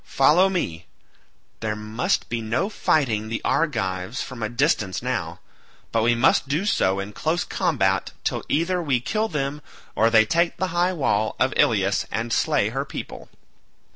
Follow me; there must be no fighting the Argives from a distance now, but we must do so in close combat till either we kill them or they take the high wall of Ilius and slay her people."